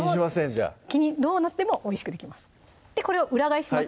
じゃあどうなってもおいしくできますでこれを裏返します